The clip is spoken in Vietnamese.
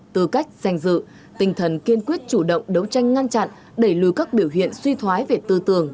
tư cách danh dự tinh thần kiên quyết chủ động đấu tranh ngăn chặn đẩy lùi các biểu hiện suy thoái về tư tưởng